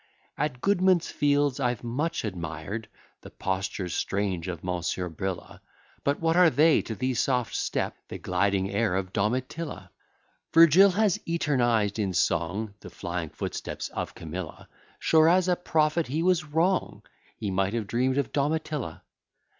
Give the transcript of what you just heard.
At Goodman's Fields I've much admired The postures strange of Monsieur Brilla; But what are they to the soft step, The gliding air of Domitilla? Virgil has eternized in song The flying footsteps of Camilla; Sure, as a prophet, he was wrong; He might have dream'd of Domitilla.